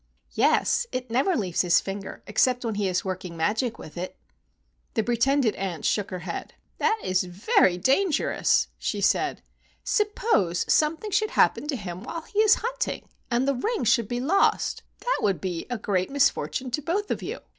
"Yes; it never leaves his finger except when he is working magic with it." The pretended aunt shook her head. "That is very dangerous," she said. "Suppose some¬ thing should happen to him while he is hunting and the ring should be lost! That would be a great misfortune to both of you.